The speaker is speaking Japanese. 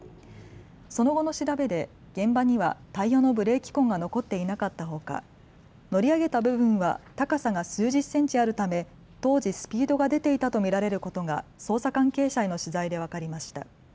その後の調べで、現場にはタイヤのブレーキ痕が残っていなかったほか乗り上げた部分は高さが数十センチあるため当時スピードが出ていたと見られることが捜査関係者への取材で分かりました。